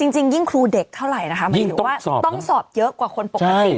จริงยิ่งครูเด็กเท่าไหร่นะคะหมายถึงว่าต้องสอบเยอะกว่าคนปกติ